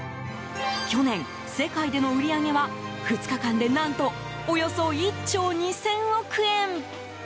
去年、世界での売り上げは２日間で何とおよそ１兆２０００億円。